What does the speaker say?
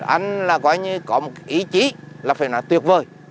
anh là coi như có một ý chí là phải nói tuyệt vời